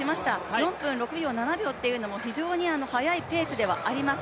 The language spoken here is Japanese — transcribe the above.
４分６秒、７秒というのも非常に速いペースではあります。